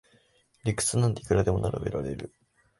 理屈なんていくらでも並べられる